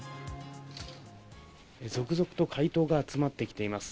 続々と回答が集まってきています。